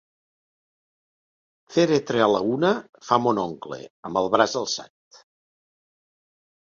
Fèretre a la una, fa mon oncle, amb el braç alçat.